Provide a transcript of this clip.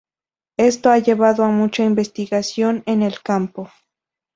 Esto ha llevado a mucha investigación en el campo.